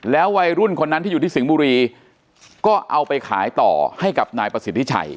วัยรุ่นคนนั้นที่อยู่ที่สิงห์บุรีก็เอาไปขายต่อให้กับนายประสิทธิชัย